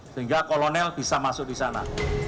sehingga kolonel bisa masuk di sana